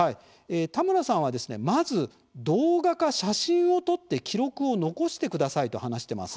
田村さんはですねまず動画か、写真を撮って記録を残してくださいと話してます。